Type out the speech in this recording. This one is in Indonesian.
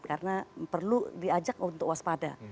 karena perlu diajak untuk waspada